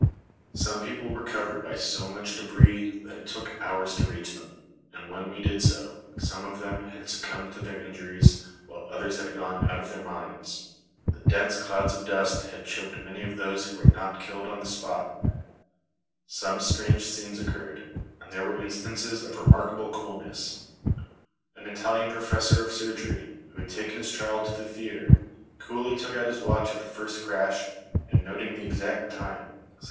Some people were covered by so much debris that it took hours to reach them, and when we did so, some of them had succumbed to their injuries, while others had gone out of their minds. The dense clouds of dust had choked many of those who were not killed on the spot." Some strange scenes occurred; and there were instances of remarkable coolness. An Italian professor of surgery who had taken his child to the theatre, coolly took out his watch at the first crash, and noting the exact time, sat [Illustration: THE PANIC AT CASAMICCIOLA.